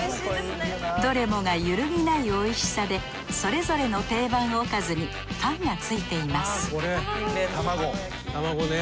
どれもが揺るぎないおいしさでそれぞれの定番おかずにファンがついています。